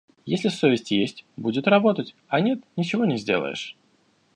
Если совесть есть, будет работать, а нет — ничего не сделаешь.